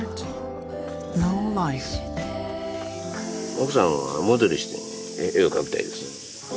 奥さんをモデルにして絵を描きたいですね。